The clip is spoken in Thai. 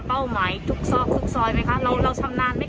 หมายทุกซอกทุกซอยไหมคะเราเราชำนาญไหม